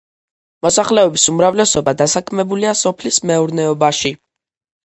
მოსახლეობის უმრავლესობა დასაქმებულია სოფლის მეურნეობაში.